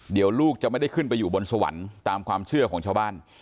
เดี๋ยวลูกจะไม่ได้ขึ้นไปอยู่บนสวรรค์ตามความเชื่อของชาวบ้าน